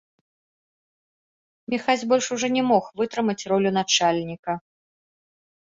Міхась больш ужо не мог вытрымаць ролю начальніка.